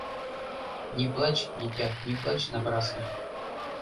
Не плачь, дитя, не плачь напрасно...